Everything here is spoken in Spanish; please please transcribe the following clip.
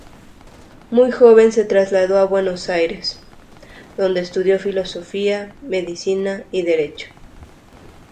Muy joven se trasladó a Buenos Aires, donde estudió Filosofía, Medicina y Derecho.